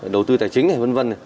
đầu tư tài chính v v